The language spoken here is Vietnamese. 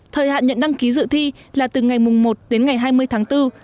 thời hạn nhận đăng ký dự thi là từ ngày một đến ngày hai mươi tháng bốn